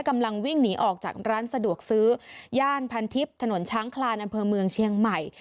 กำลังวิ่งหนีออกจากร้านสะดวกซื้อย่านพันทิพย์ถนนช้างคลานอำเภอเมืองเชียงใหม่